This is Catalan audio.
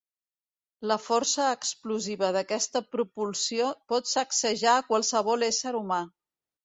La força explosiva d'aquesta propulsió pot sacsejar a qualsevol ésser humà.